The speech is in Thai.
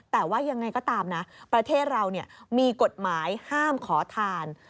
แต่ว่ายังไงก็ตามนะประเทศเรามีกฎหมายห้ามขอทาน